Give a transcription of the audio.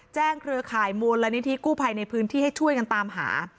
เครือข่ายมูลนิธิกู้ภัยในพื้นที่ให้ช่วยกันตามหา